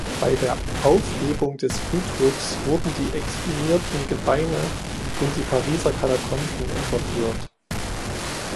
Bei der Aufhebung des Friedhofs wurden die exhumierten Gebeine in die Pariser Katakomben überführt.